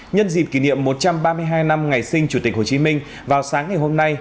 nhân dịp kỷ niệm một trăm ba mươi hai năm ngày sinh chủ tịch hồ chí minh vào sáng ngày hôm nay